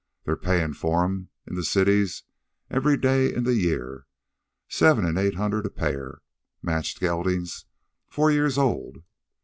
They're payin' for 'em, in the cities, every day in the year, seven an' eight hundred a pair, matched geldings, four years old.